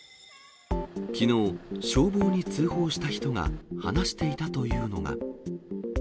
きのう、消防に通報した人が話していたというのが。